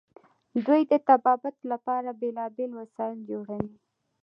دوی د طبابت لپاره بیلابیل وسایل جوړوي.